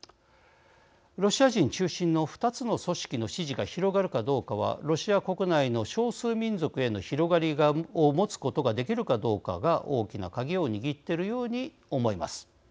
ロシア人中心の２つの組織の支持が広がるかどうかはロシア国内の少数民族への広がりを持つことができるかどうかが大きな鍵を握っているように思います。